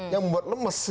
yang membuat lemes